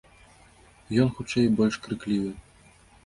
Ён, хутчэй, больш крыклівы.